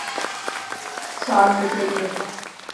سال میں پہلی دفع